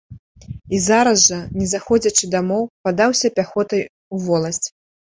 І зараз жа, не заходзячы дамоў, падаўся пяхотай у воласць.